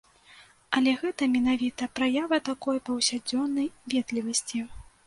Але гэта менавіта праява такой паўсядзённай ветлівасці.